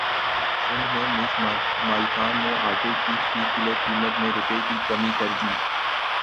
سندھ میں ملز مالکان نے اٹے کی فی کلو قیمت میں روپے کی کمی کردی